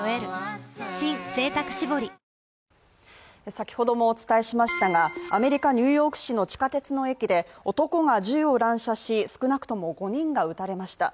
先ほどもお伝えしましたが、アメリカ・ニューヨーク市の地下鉄の駅で男が銃を乱射し少なくとも５人が撃たれました。